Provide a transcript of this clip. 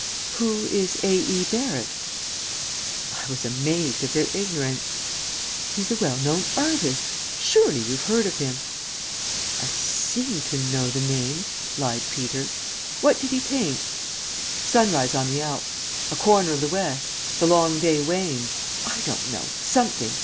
"Who is A. E. Barrett?" I was amazed at their ignorance. "He's the well known artist. Surely you've heard of him?" "I seem to know the name," lied Peter. "What did he paint?" "'Sunrise on the Alps,' 'A Corner of the West,' 'The Long Day Wanes' I don't know. Something.